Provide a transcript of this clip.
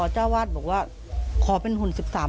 จ้าวาสบอกว่าขอเป็นหุ่น๑๓ใช่เหรอ